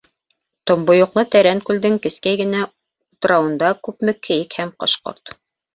Томбойоҡло тәрән күлдең кескәй генә утрауында күпме кейек һәм ҡош-ҡорт.